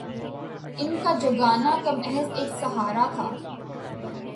ان کا جگانا تو محض ایک سہارا تھا